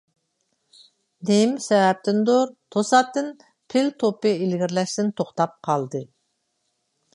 نېمە سەۋەبتىندۇر، توساتتىن پىل توپى ئىلگىرىلەشتىن توختاپ قالدى.